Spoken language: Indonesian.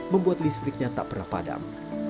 membuat listriknya tak pernah padam